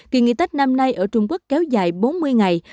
kỳ nghỉ tết năm nay ở trung quốc kéo dài bốn mươi ngày